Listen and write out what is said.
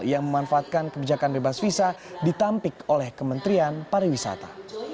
yang memanfaatkan kebijakan bebas visa ditampik oleh kementerian pariwisata